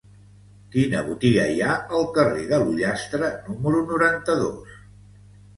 Quina botiga hi ha al carrer de l'Ullastre número noranta-dos?